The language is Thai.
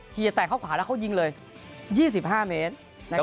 เฮียแตกเข้าขวาแล้วเขายิงเลย๒๕เมตรนะครับ